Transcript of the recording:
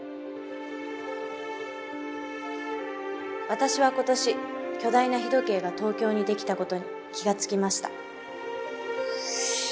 私は今年巨大な日時計が東京に出来た事に気が付きました。